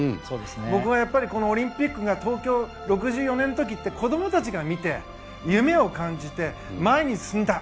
僕はオリンピックが東京、６４年の時って子供たちが見て夢を感じて前に進んだ。